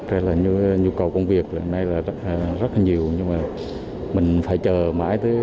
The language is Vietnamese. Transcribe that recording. thế là nhu cầu công việc lần này là rất là nhiều nhưng mà mình phải chờ mãi tới